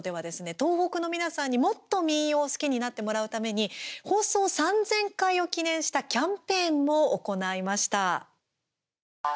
東北の皆さんに、もっと民謡を好きになってもらうために放送３０００回を記念したキャンペーンも行いました。